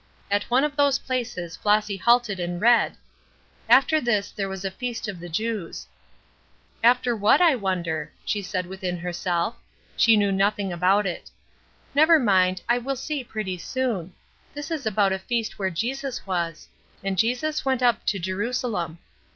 At one of those places Flossy halted and read: "'After this there was a feast of the Jews.' After what, I wonder?" she said within herself. She knew nothing about it. "Never mind, I will see pretty soon. This is about a feast where Jesus was. And Jesus went up to Jerusalem."